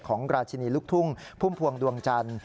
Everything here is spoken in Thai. ของราชินีลูกทุ่งพุ่มพวงดวงจันทร์